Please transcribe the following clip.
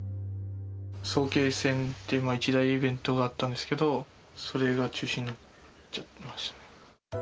早慶戦っていう一大イベントがあったんですけど、それが中止になっちゃいました。